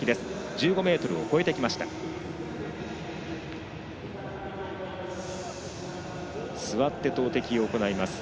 １５ｍを超えてきました。